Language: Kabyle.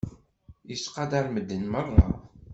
Yettqadaṛ medden meṛṛa.